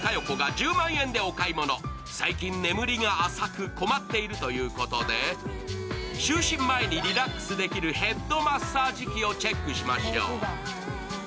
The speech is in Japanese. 最近眠りが浅く、困っているということで、就寝前にリラックスできるヘッドマッサージ機をチェックしましょう。